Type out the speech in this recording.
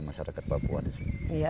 masyarakat papua di sini